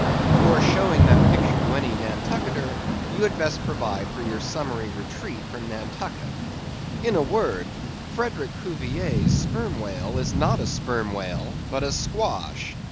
Before showing that picture to any Nantucketer, you had best provide for your summary retreat from Nantucket. In a word, Frederick Cuvier's Sperm Whale is not a Sperm Whale, but a squash.